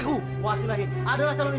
d sunday sudah semakin hari